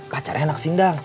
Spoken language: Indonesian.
pacarnya enak sindang